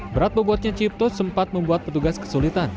berat bobotnya cipto sempat membuat petugas kesulitan